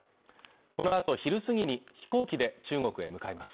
このあと昼過ぎに飛行機で中国へ向かいます。